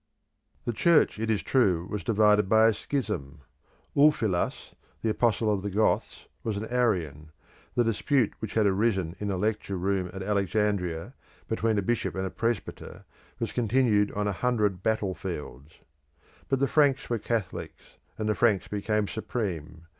The Church, it is true, was divided by a schism; Ulphilas, the apostle of The Goths, was an Arian; the dispute which had arisen in a lecture room at Alexandria, between a bishop and a presbyter, was continued on a hundred battlefields. But the Franks were Catholics, and the Franks became supreme.